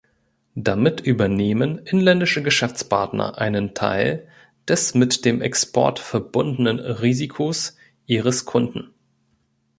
Damit übernehmen inländische Geschäftspartner einen Teil des mit dem Export verbundenen Risikos ihres Kunden.